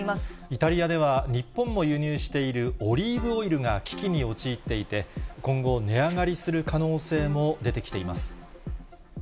イタリアでは、日本も輸入しているオリーブオイルが危機に陥っていて、今後、値上がりする可能性も出てきています。